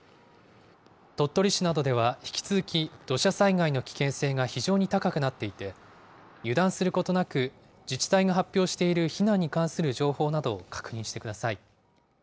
鳥取市などでは引き続き、土砂災害の危険性が非常に高くなっていて、油断することなく、自治体が発表している避難に関する情報などを確認してください。